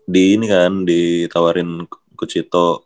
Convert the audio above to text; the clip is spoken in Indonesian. di ini kan ditawarin coach ito